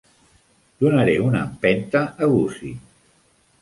Donaré una empenta a Gussie.